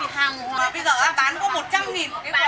thưa quý vị